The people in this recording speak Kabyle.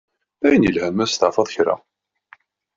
D ayen yelhan ma testeɛfaḍ kra.